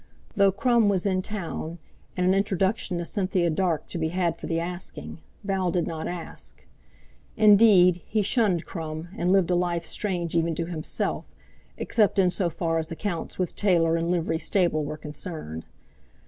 Though Crum was in town and an introduction to Cynthia Dark to be had for the asking, Val did not ask; indeed, he shunned Crum and lived a life strange even to himself, except in so far as accounts with tailor and livery stable were concerned.